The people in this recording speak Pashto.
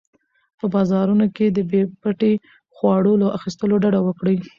په بازارونو کې د بې پټي خواړو له اخیستلو ډډه وکړئ.